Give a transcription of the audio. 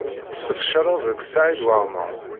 Tessefcaleḍ deg Saɛid Waɛmaṛ.